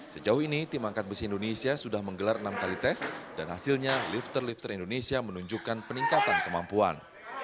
sejauh ini tim angkat besi indonesia sudah menggelar enam kali tes dan hasilnya lifter lifter indonesia menunjukkan peningkatan kemampuan